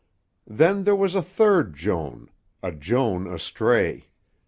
Then there was a third Joan, a Joan astray.